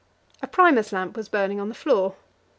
A Primus lamp was burning on the floor.